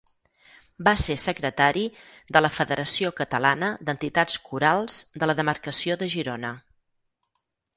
Va ser secretari de la Federació Catalana d'Entitats Corals de la demarcació de Girona.